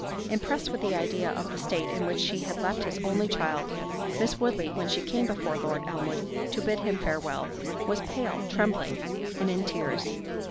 Impressed with the idea of the state in which she had left his only child, Miss Woodley, when she came before Lord Elmwood to bid him farewell, was pale, trembling, and in tears.